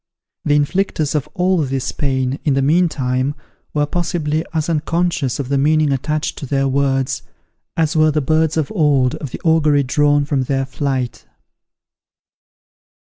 The inflictors of all this pain, in the meantime, were possibly as unconscious of the meaning attached to their words, as were the birds of old of the augury drawn from their flight.